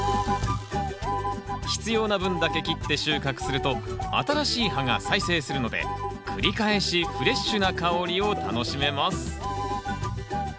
必要な分だけ切って収穫すると新しい葉が再生するので繰り返しフレッシュな香りを楽しめます。